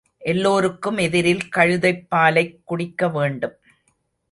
எல்லோருக்கும் எதிரில் கழுதைப் பாலைக் குடிக்கவேண்டும்.